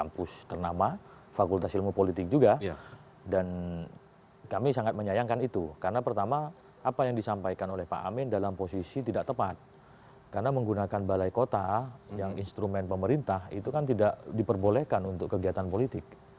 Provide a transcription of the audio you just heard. praktis bagi kita bagi pendapat kami